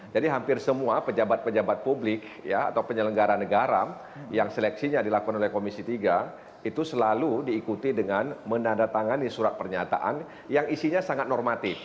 jadi hampir semua pejabat pejabat publik atau penyelenggaran negara yang seleksinya dilakukan oleh komisi tiga itu selalu diikuti dengan menandatangani surat pernyataan yang isinya sangat normatif